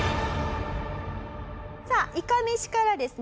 さあいかめしからですね